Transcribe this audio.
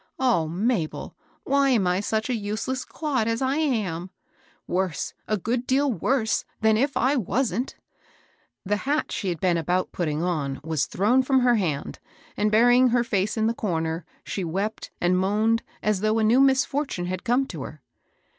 O Mabel ! why am I such a useless clod as I am ?— worse, a good deal worse, than if I wasn't !" The hat she had been about putting on was thrown from her hand, and, burying her face in the comer, she wept and moaned as though a new misfortune had come to her.